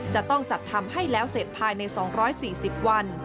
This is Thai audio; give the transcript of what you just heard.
จะต้องจัดทำให้แล้วเสร็จภายใน๒๔๐วัน